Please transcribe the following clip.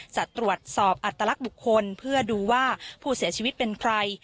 จะตรวจสอบอัตลักษณ์บุคคลเพื่อดูว่าผู้เสียชีวิตเป็นใคร